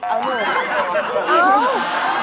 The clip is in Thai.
เอาหนู